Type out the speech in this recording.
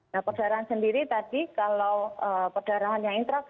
nah perdarahan sendiri tadi kalau perdarahan yang intrakranial nyeri kepalanya tidak terlalu hebat